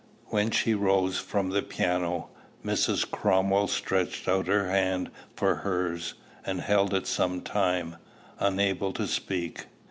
When she rose from the piano, Mrs. Cromwell stretched out her hand for hers, and held it some time, unable to speak.